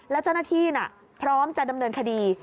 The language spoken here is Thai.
แล้วเจ้าหน้าที่พร้อมจะดำเนินคดี